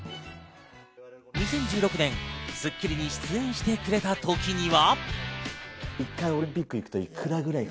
２０１６年『スッキリ』に出演してくれた時には。